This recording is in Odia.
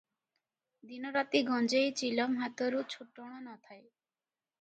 ଦିନ ରାତି ଗଞ୍ଜେଇ ଚିଲମ ହାତରୁ ଛୁଟଣ ନ ଥାଏ ।